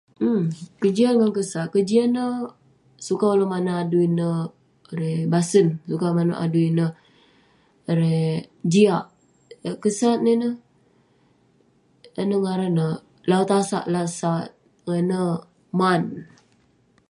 um kejian ngan kesat. Kejian neh sukat ulouk manouk ineh erei basen, sukat ulouk manouk adui ineh erei jiak. Kesat nah ineh, inouk ngaran neh, lawu tasak lawu sat. Ngah ineh, man.